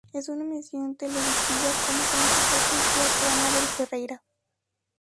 Es una emisión televisiva cómica musical conducida por Anabel Ferreira.